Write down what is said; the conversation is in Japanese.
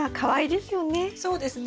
そうですね。